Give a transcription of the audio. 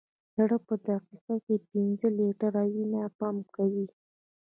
زړه په دقیقه کې پنځه لیټره وینه پمپ کوي.